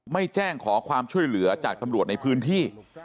ไม่แจ้งขอความช่วยเหลือจากตำรวจในพื้นที่